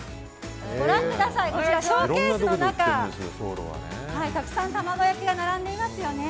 こちら、ショーケースの中たくさん卵焼きが並んでいますよね。